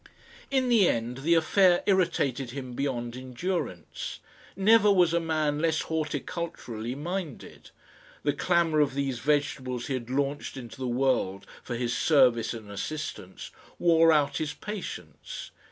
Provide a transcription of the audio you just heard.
In the end the affair irritated him beyond endurance. Never was a man less horticulturally minded. The clamour of these vegetables he had launched into the world for his service and assistance, wore out his patience.